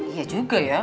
iya juga ya